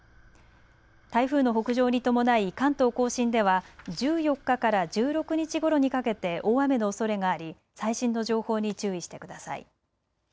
台風の北上に伴い関東甲信では１４日から１６日ごろにかけて大雨のおそれがあり最新の情報に注意してください。